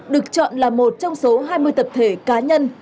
được chọn là một trong số hai mươi tập thể cá nhân